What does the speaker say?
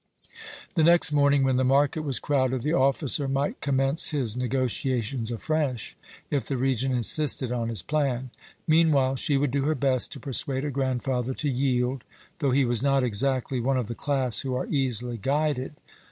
The next morning, when the market was crowded, the officer might commence his negotiations afresh, if the Regent insisted on his plan. Meanwhile she would do her best to persuade her grandfather to yield, though he was not exactly one of the class who are easily guided.